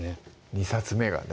２冊目がね